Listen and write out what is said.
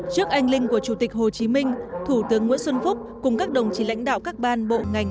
trước anh linh của chủ tịch hồ chí minh thủ tướng nguyễn xuân phúc cùng các đồng chí lãnh đạo các ban bộ ngành